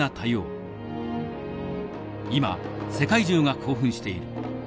今世界中が興奮している。